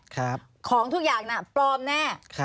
ของทุกอย่างน่ะปลอมแน่